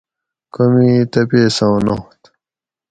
کومی تپیساں نات